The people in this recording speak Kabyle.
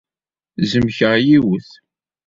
Zemkeɣ yiwet.